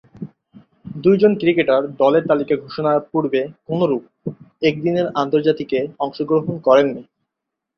দুইজন ক্রিকেটার দলের তালিকা ঘোষণার পূর্বে কোনরূপ একদিনের আন্তর্জাতিকে অংশগ্রহণ করেননি।